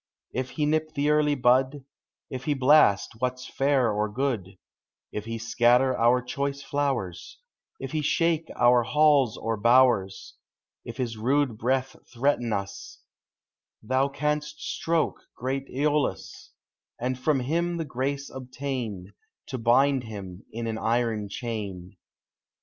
If he nip the early bud, If he blast what 's fair or good, If he scatter our choice flowers, If he shake our halls or bowers, If his rude breath threaten us, Thou canst stroke great ^Eolus, And from him the grace obtain, To bind him in an iron chain.